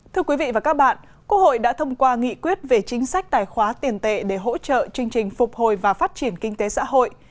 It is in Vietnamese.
thưa quý vị và các bạn quốc hội đã thông qua nghị quyết về chính sách tài khoá tiền tệ để hỗ trợ chương trình phục hồi và phát triển kinh tế xã hội